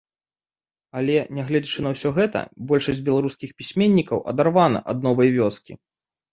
Але, нягледзячы на ўсё гэта, большасць беларускіх пісьменнікаў адарвана ад новай вёскі.